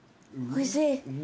おいしい。